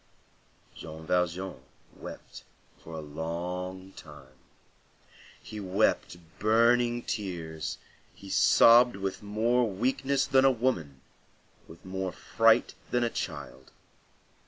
Jean Valjean wept for a long time. He wept burning tears, he sobbed with more weakness than a woman, with more fright than a child.